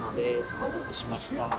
お待たせしました